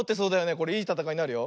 これいいたたかいになるよ。